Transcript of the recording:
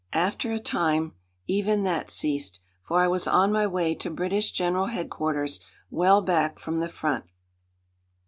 After a time even that ceased, for I was on my way to British General Headquarters, well back from the front.